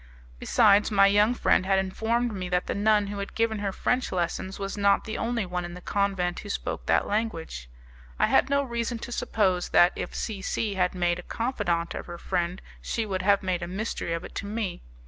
Besides, my young friend had informed me that the nun who had given her French lessons was not the only one in the convent who spoke that language. I had no reason to suppose that, if C C had made a confidante of her friend, she would have made a mystery of it to me.